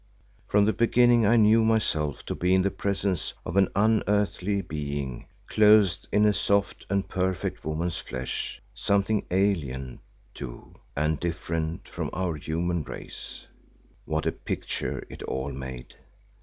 From the beginning I knew myself to be in the presence of an unearthly being clothed in soft and perfect woman's flesh, something alien, too, and different from our human race. What a picture it all made!